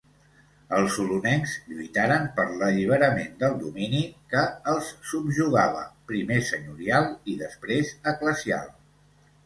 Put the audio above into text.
Els olonencs lluitaren per l'alliberament del domini que els subjugava, primer senyorial i després eclesial.